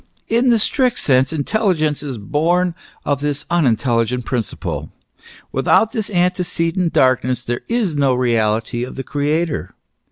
" In the strict sense, intelligence is born of this unintelligent principle. Without this antecedent darkness there is no reality of the Creator."